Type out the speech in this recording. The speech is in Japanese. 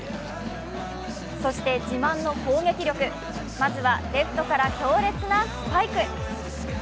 そして自慢の攻撃力、まずはレフトから強烈なスパイク。